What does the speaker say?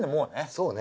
そうね。